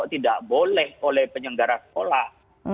tidak boleh oleh penyelenggara sekolah